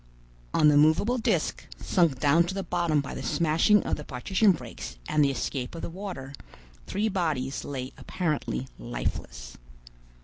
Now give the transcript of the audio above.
On the movable disc, sunk down to the bottom by the smashing of the partition breaks and the escape of the water, three bodies lay apparently lifeless.